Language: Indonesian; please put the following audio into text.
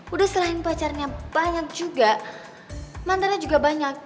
udah selain pacarnya banyak juga mandarnya juga banyak